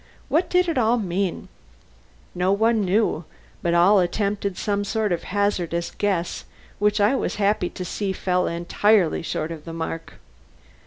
What did it all mean? No one knew; but all attempted some sort of hazardous guess which I was happy to see fell entirely short of the mark.